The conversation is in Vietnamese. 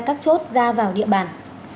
các chốt ra vào địa bàn